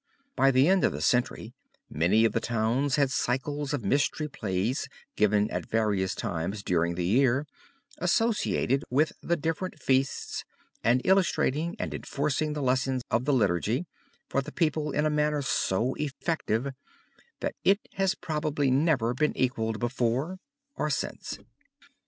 By the middle of the century many of the towns had cycles of mystery plays given at various times during the year, associated with the different feasts and illustrating and enforcing the lessons of the liturgy for the people in a manner so effective that it has probably never been equaled before or since.